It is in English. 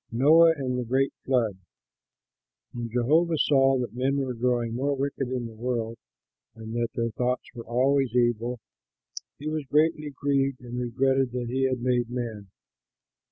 NOAH AND THE GREAT FLOOD When Jehovah saw that men were growing more wicked in the world and that their thoughts were always evil, he was greatly grieved and regretted that he had made man.